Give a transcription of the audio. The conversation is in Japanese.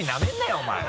お前！